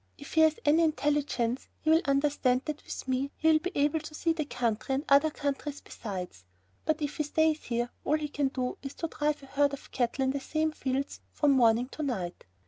If he has any intelligence he will understand that with me he will be able to see the country and other countries besides; but if he stays here all he can do is to drive a herd of cattle in the same fields from morning to night.